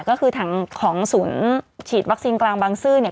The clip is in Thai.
ก็คือถังของศูนย์ฉีดวัคซีนกลางบางซื่อเนี่ย